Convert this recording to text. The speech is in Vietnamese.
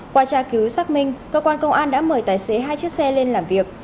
qua tra cứu xác minh cơ quan công an đã mời tài xế hai chiếc xe lên làm việc